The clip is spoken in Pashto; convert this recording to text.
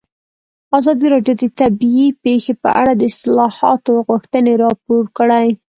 ازادي راډیو د طبیعي پېښې په اړه د اصلاحاتو غوښتنې راپور کړې.